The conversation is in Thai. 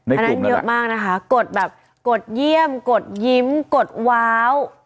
อันนั้นเยอะมากนะคะกดแบบกดเยี่ยมกดยิ้มกดว้าว